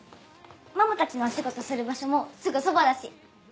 ママたちのお仕事する場所もすぐそばだし。